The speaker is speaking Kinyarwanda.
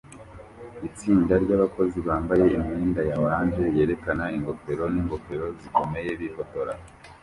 Itsinda ryabakozi bambaye imyenda ya orange yerekana ingofero n'ingofero zikomeye bifotora